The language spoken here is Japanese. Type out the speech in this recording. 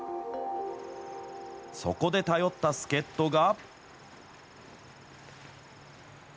そこで頼った助っ人が。